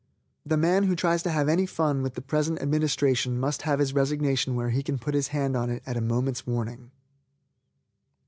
The man who tries to have any fun with the present Administration must have his resignation where he can put his hand on it at a moment's warning.